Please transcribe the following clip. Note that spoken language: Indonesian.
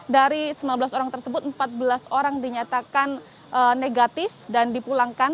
dari sembilan belas orang tersebut empat belas orang dinyatakan negatif dan dipulangkan